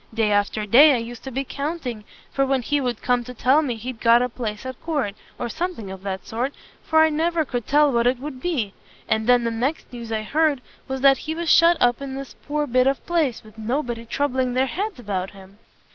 Day after day I used to be counting for when he would come to tell me he'd got a place at court, or something of that sort, for I never could tell what it would be; and then the next news I heard, was that he was shut up in this poor bit of place, with nobody troubling their heads about him!